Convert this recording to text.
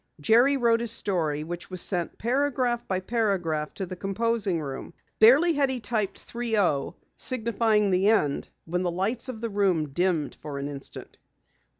Jerry wrote his story which was sent paragraph by paragraph to the composing room. Barely had he typed "30," signifying the end, when the lights of the room dimmed for an instant.